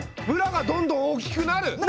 ムラがどんどん大きくなる！